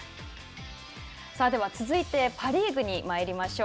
続いてパ・リーグにまいりましょう。